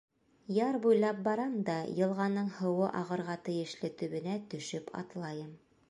Яр буйлап барам да йылғаның һыуы ағырға тейешле төбөнә төшөп атлайым.